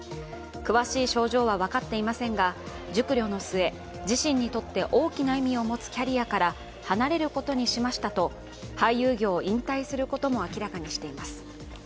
詳しい症状は分かっていませんが熟慮の末自身にとって大きな意味を持つキャリアから離れることにしましたと俳優業を引退することも明らかにしています。